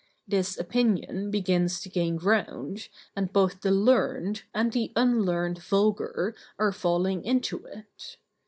This opinion begins to gain ground, and both the learned and the unlearned vulgar are falling into it.